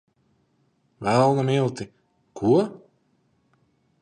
Velna milti! Ko?